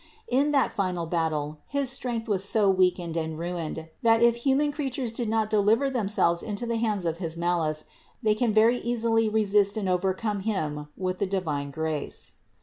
In that final battle his strength was so weakened and ruined that if human creatures do not deliver themselves into 298 CITY OF GOD the hands of his malice they can very easily resist and overcome him with the divine grace.